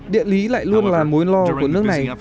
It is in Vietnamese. địa lý lại luôn là mối lo của nước này